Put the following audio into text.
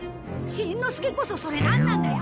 しんのすけこそそれなんなんだよ！